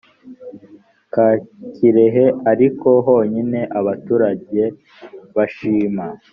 ka kirehe ariho honyine abaturage bashima